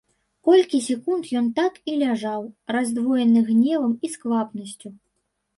Колькі секунд ён так і ляжаў, раздвоены гневам і сквапнасцю.